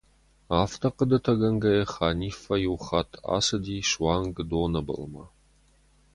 Афтӕ хъуыдытӕгӕнгӕйӕ, Ханиффӕ иу хатт ацыди суанг доны былмӕ.